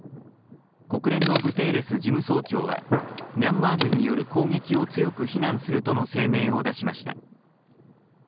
国連のグテーレス事務総長は、ミャンマー軍による攻撃を強く非難するとの声明を出しました。